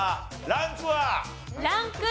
ランク１。